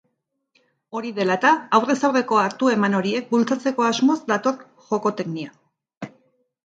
Hori dela eta, aurrez aurreko hartu-eman horiek bultzatzeko asmoz dator Jokoteknia